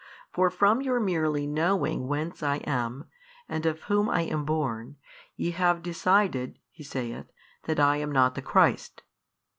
For from your merely knowing whence I am, and of whom I am born, ye have decided (He saith) that I am not the Christ.